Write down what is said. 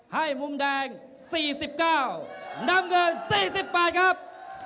มุมแดง๔๙น้ำเงิน๔๘ครับ